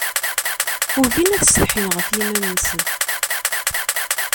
Ugin ad setḥin ɣef yiman-nsen.